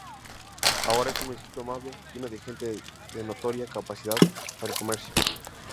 Ahora es un municipio amable, lleno de gente de notoria capacidad para el comercio.